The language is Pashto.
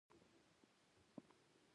دا برخه له ټلیفون او راډیو سره سروکار لري.